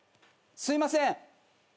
すいません！